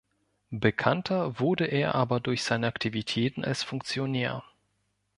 Bekannter wurde er aber durch seine Aktivitäten als Funktionär.